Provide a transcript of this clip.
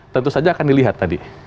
tentu saja akan dilihat tadi